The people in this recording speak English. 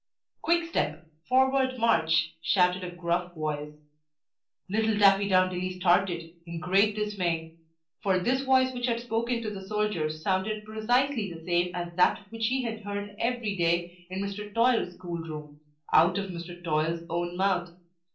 "Quick step! Forward march!" shouted a gruff voice. Little Daffydowndilly started, in great dismay; for this voice which had spoken to the soldiers sounded precisely the same as that which he had heard every day in Mr. Toil's school room, out of Mr. Toil's own mouth.